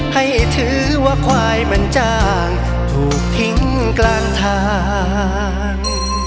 ให้ถือว่าควายมันจ้างถูกทิ้งกลางทาง